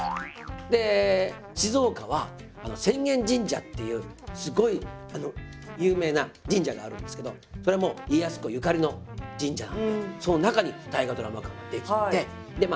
で静岡は浅間神社っていうすごい有名な神社があるんですけどそれも家康公ゆかりの神社なんでその中に大河ドラマ館が出来てでまあ